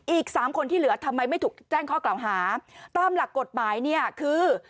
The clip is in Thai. อีกสามคนที่เหลือทำไมไม่ถูกแจ้งข้อกล่าวหาตามหลักกฎหมายเนี่ยคือ